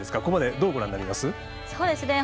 ここまで、どうご覧になります？